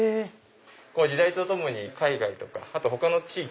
時代とともに海外とかあと他の地域。